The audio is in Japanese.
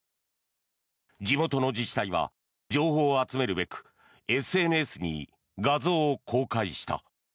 地元の自治体は情報を集めるべくＳＮＳに画像を公開した。